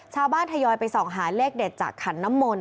ทยอยไปส่องหาเลขเด็ดจากขันน้ำมนต